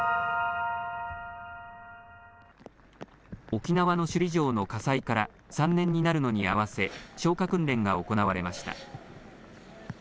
沖縄の首里城の火災から３年になるのに合わせ、消火訓練が行われました。